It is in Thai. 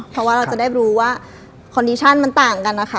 เพราะว่าเราจะได้รู้ว่าคอนดิชั่นมันต่างกันนะคะ